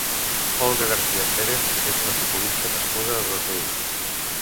Olga García Pérez és una futbolista nascuda a Dosrius.